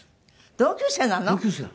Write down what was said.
同級生なの？